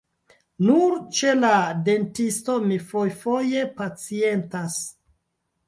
Nur ĉe la dentisto mi fojfoje pacientas.